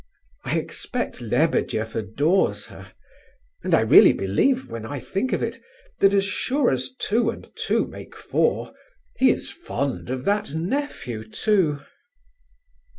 I expect Lebedeff adores her—and I really believe, when I think of it, that as sure as two and two make four, he is fond of that nephew, too!"